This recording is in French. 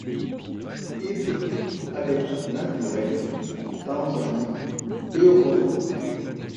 Il se trouve à l'état naturel en Tanzanie et au Mozambique.